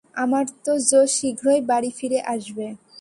আমার জো শীঘ্রই বাড়ি ফিরে আসবে।